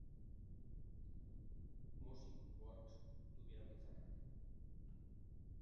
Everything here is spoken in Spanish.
Music Works tuvieron que cerrar.